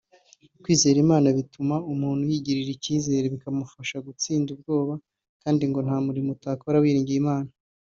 kwizera Imana bituma umuntu yigirira icyizere bikamufasha gutsinda ubwoba kandi ngo nta murimo utakora wiragije Imana